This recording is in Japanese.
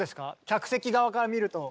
客席側から見ると。